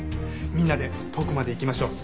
みんなで遠くまで行きましょう。